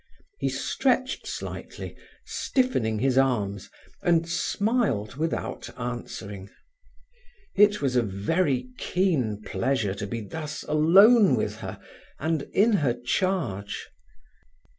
He stretched slightly, stiffening his arms, and smiled without answering. It was a very keen pleasure to be thus alone with her and in her charge.